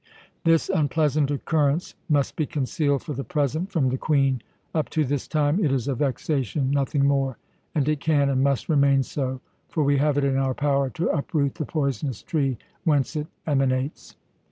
This unpleasant occurrence must be concealed for the present from the Queen. Up to this time it is a vexation, nothing more and it can and must remain so; for we have it in our power to uproot the poisonous tree whence it emanates."